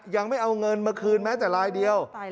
ยังไม่เอาเงินมาคืนแม้แต่รายเดียว